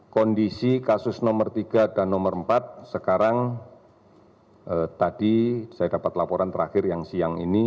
kondisi kasus nomor tiga dan nomor empat sekarang tadi saya dapat laporan terakhir yang siang ini